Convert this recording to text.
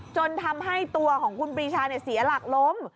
จนทำให้ตัวของคุณปรีชาเสียหลักล้ม